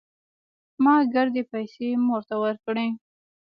ما ګردې پيسې مور ته ورکولې.